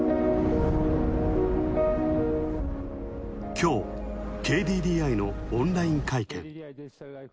きょう、ＫＤＤＩのオンライン会見。